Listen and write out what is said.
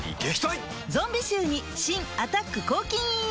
ゾンビ臭に新「アタック抗菌ＥＸ」